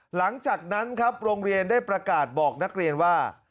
หลังจากนั้นครับโรงเรียนได้ประกาศบอกนักเรียนว่า